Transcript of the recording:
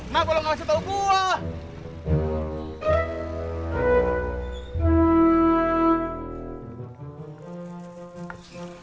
mak lu gak bisa tau gue